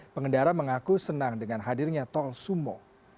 pengendara mengaku senang dengan hadirnya tol sumo